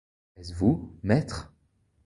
Est-ce vous, maître?